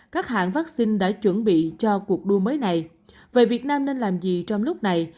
các hãng vắc xin đã chuẩn bị cho cuộc đua mới này vậy việt nam nên làm gì trong lúc này